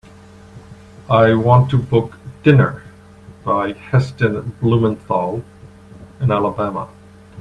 I want to book Dinner by Heston Blumenthal in Alabama.